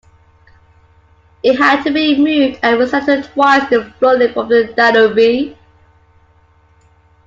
It had to be moved and resettled twice due to flooding from the Danube.